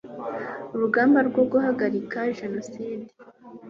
urugamba rwo guhagarika jenoside